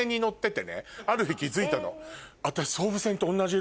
ある日気付いたの。